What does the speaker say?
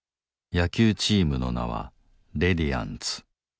野球チームの名はレディアンツ。